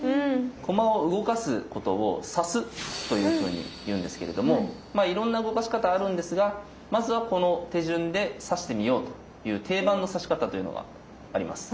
駒を動かすことを「指す」というふうに言うんですけれどもまあいろんな動かし方あるんですがまずはこの手順で指してみようという定番の指し方というのがあります。